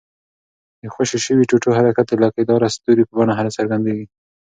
د خوشي شوي ټوټو حرکت د لکۍ داره ستوري په بڼه څرګندیږي.